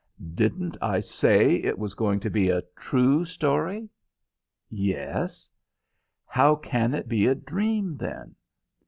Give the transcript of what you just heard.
"Didn't I say it was going to be a true story?" "Yes." "How can it be a dream, then?"